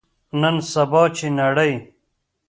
نن سبا، چې نړۍ